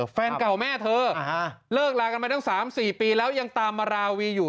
แฟนเก่าแม่เธอเลิกลากันมาตั้ง๓๔ปีแล้วยังตามมาราวีอยู่